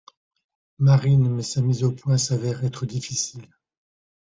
Marines mais sa mise au point s'avère être difficile.